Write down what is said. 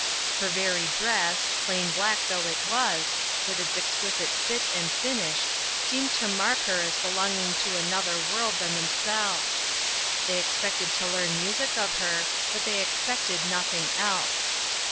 Her very dress, plain black though it was, with its exquisite fit and finish, seemed 93 94 INTERRUPTED. to mark her as belonging to another world than themselves. They expected to learn music of her, but they expected nothing else.